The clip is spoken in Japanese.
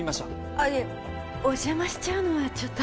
あいやお邪魔しちゃうのはちょっと。